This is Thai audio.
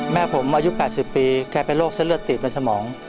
แม่ผมอายุ๘๐ปีแกเป็นโรคเส้นเลือดติดในสมอง